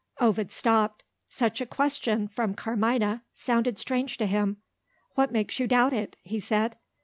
Ovid stopped. Such a question, from Carmina, sounded strange to him. "What makes you doubt it?" he said.